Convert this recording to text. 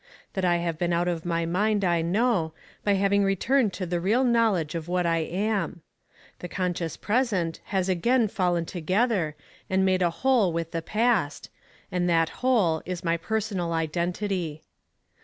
That I have been out of my mind I know, by having returned to the real knowledge of what I am. The conscious present has again fallen together and made a whole with the past, and that whole is my personal identity.